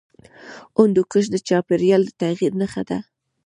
هندوکش د چاپېریال د تغیر نښه ده.